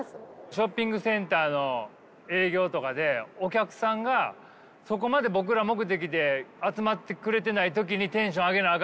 ショッピングセンターの営業とかでお客さんがそこまで僕ら目的で集まってくれてない時にテンション上げなあ